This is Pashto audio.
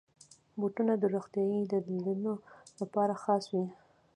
بوټونه د روغتیايي دلیلونو لپاره خاص وي.